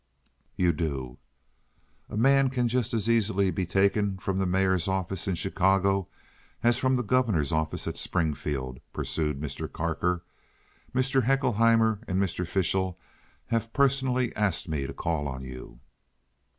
"You do." "A man can just as easily be taken from the mayor's office in Chicago as from the governor's office at Springfield," pursued Mr. Carker. "Mr. Haeckelheimer and Mr. Fishel have personally asked me to call on you.